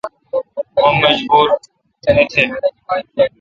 مہ مجبور نہ تھ۔